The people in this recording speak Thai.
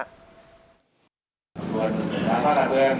ส่วนประเภทความเมืองที่พันธุ์ล่างแรก